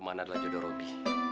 rumahnya adalah jodoh robi